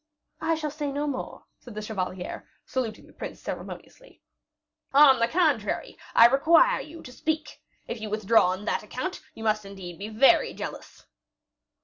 "I shall say no more," said the chevalier, saluting the prince ceremoniously. "On the contrary, I require you to speak. If you withdraw on that account, you must indeed be very jealous."